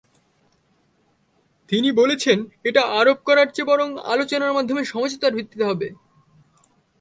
তিনি বলেছেন, এটা আরোপ করার চেয়ে বরং আলোচনার মাধ্যমে সমঝোতার ভিত্তিতে হবে।